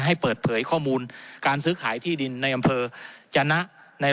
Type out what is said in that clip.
ให้เปิดเผยข้อมูลการซื้อขายที่ดินในอำเภอจนะ